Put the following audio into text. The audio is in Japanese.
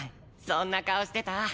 そんな顔してた！